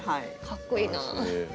かっこいいなぁ。